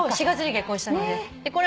４月に結婚したので。